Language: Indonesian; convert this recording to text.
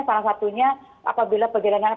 salah satunya apabila pejalanan